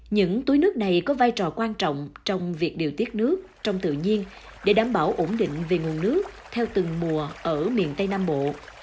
những túi nước này có vai trò quan trọng trong việc điều tiết nước trong tự nhiên để đảm bảo ổn định về nguồn nước theo từng mùa ở miền tây nam bộ